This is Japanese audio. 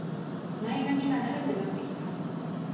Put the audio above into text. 前髪が長くなってきた